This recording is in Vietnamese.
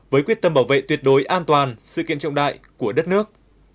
với quyết tâm bảo vệ tuyệt đối an toàn sự kiện trọng đại của đất nước